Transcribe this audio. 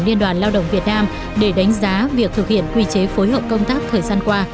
liên đoàn lao động việt nam để đánh giá việc thực hiện quy chế phối hợp công tác thời gian qua